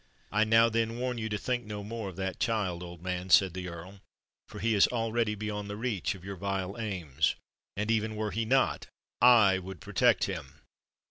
"I now, then, warn you to think no more of that child, old man," said the Earl; "for he is already beyond the reach of your vile aims—and, even were he not, I would protect him.